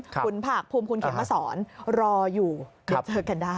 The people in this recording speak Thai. คุณผักพุมคุณเขมรสอนรออยู่เจอกันได้